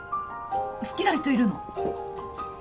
好きな人いるの？